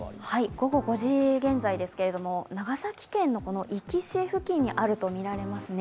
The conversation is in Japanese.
午後５時現在ですが、ながさきけんの壱岐市付近にあるとみられますね。